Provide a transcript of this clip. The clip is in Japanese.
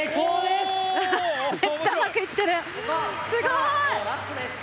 すごい！